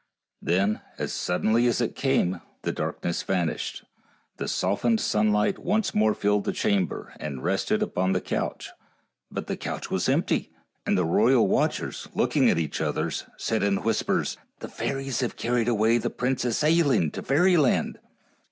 Then, as suddenly as it came the darkness vanished, the softened sunlight once more filled the chamber, and rested upon the couch; but the couch was empty, and the royal watchers, looking at each other, said in whis pers :" The fairies have carried away the Princess Ailinn to fairyland."